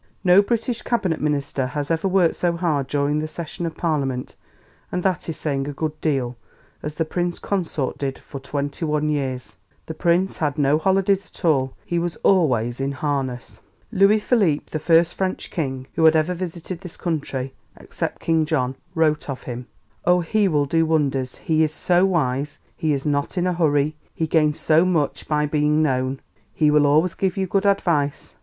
... No British Cabinet minister has ever worked so hard during the session of Parliament, and that is saying a good deal, as the Prince Consort did for 21 years. ... The Prince had no holidays at all, he was always in harness." [Footnote 1: Miss C.M. Yonge, Life of H.R.H. the Prince Consort.] Louis Philippe, the first French king who had ever visited this country, except King John, wrote of him: "Oh, he will do wonders; he is so wise; he is not in a hurry; he gains so much by being known. He will always give you good advice.